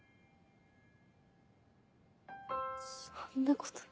そんなこと。